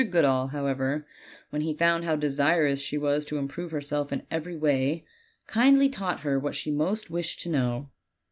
Goodall, however, when he found how desirous she was to improve herself in every way kindly taught her what she most wished to know.